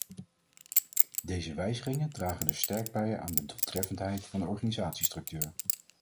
Deze wijzigingen dragen dus sterk bij aan de doeltreffendheid van de organisatiestructuur.